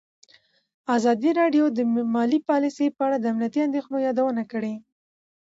ازادي راډیو د مالي پالیسي په اړه د امنیتي اندېښنو یادونه کړې.